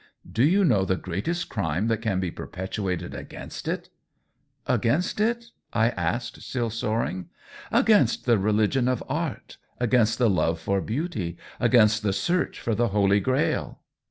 " Do you know the greatest crime that can be perpetrated against it .^" "Against it?" I asked, still soaring. " Against the religion of art, against the love for beauty, against the search for the Holy Grail